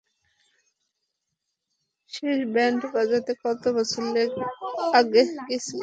শেষ ব্যান্ড বাজাতে কত বছর আগে গিয়েছিলে?